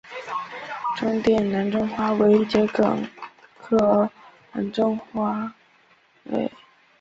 中甸蓝钟花为桔梗科蓝钟花属下的一个种。